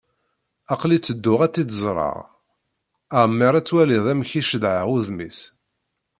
Aql-i tedduɣ ad tt-id-ẓreɣ. Ammer ad twaliḍ amek i cedhaɣ udem-is.